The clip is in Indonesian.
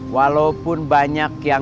walaupun banyak yang